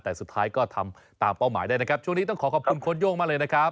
แต่สุดท้ายก็ทำตามเป้าหมายได้นะครับช่วงนี้ต้องขอขอบคุณโค้ดโย่งมากเลยนะครับ